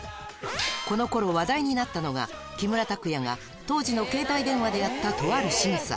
このころ話題になったのが、木村拓哉が、当時の携帯電話でやったとあるしぐさ。